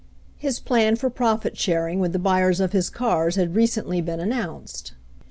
His plan for profit sharing with the buyers of his cars had recently been announced.